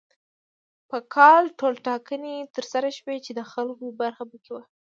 په کال ټولټاکنې تر سره شوې چې د خلکو برخه پکې وه.